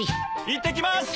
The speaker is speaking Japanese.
いってきます！